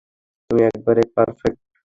তুমি একেবারে পারফেক্ট।